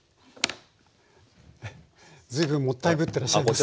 随分もったいぶってらっしゃるんですね。